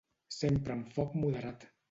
sempre amb foc moderat